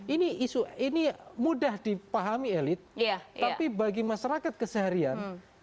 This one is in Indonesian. ini mudah dipahami elit tapi bagi masyarakat keseharian